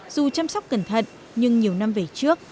dù chăm sóc cẩn thận nhưng nhiều năm về trước